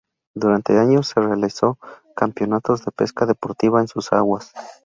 Durante años se realizó campeonatos de pesca deportiva en sus aguas.